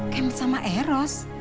kemet sama eros